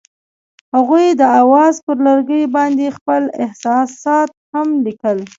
هغوی د اواز پر لرګي باندې خپل احساسات هم لیکل.